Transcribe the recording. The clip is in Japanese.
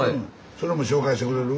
それも紹介してくれる？